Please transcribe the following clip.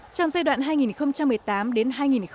trong giai đoạn hai nghìn một mươi tám đến hai nghìn hai mươi